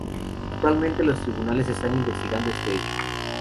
Actualmente los tribunales están investigando este hecho.